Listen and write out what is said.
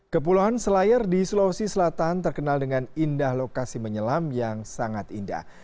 kepulauan selayar di sulawesi selatan terkenal dengan indah lokasi menyelam yang sangat indah